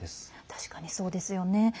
確かにそうですよね。